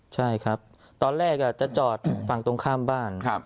ใช่ครับตอนแรกจะจอดฝั่งตรงข้ามบ้าน